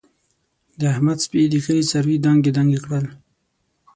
د احمد سپي د کلي څاروي دانګې دانګې کړل.